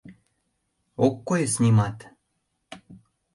Ок койыс нимат.